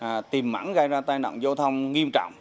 và tìm mẵn gây ra tai nặng vô thông nghiêm trọng